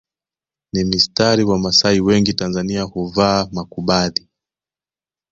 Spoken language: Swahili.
ni mistari Wamasai wengi Tanzania huvaa makubadhi